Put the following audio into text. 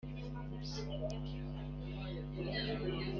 Mwumvise nahanuriye iyi nzu